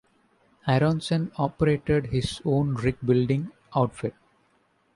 Aronson operated his own rig-building outfit.